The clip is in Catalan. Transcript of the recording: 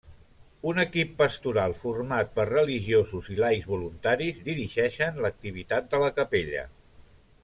Un equip pastoral format per religiosos i laics voluntaris dirigeixen l'activitat de la capella.